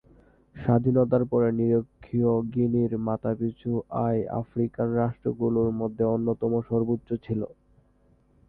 স্বাধীনতার পরে নিরক্ষীয় গিনির মাথাপিছু আয় আফ্রিকান রাষ্ট্রগুলোর মধ্যে অন্যতম সর্বোচ্চ ছিল।